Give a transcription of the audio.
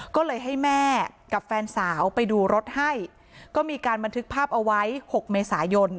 ก็เลยให้แม่กับแฟนสาวไปดูรถให้ก็มีการบันทึกภาพเอาไว้๖เมษายน